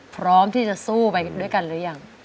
พร้อมที่จะสู้ไปด้วยกันหรือยัง